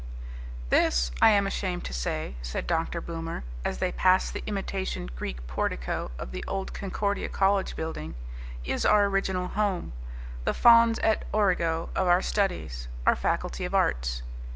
"This, I am ashamed to say," said Dr. Boomer, as they passed the imitation Greek portico of the old Concordia College building, "is our original home, the fons et origo of our studies, our faculty of arts."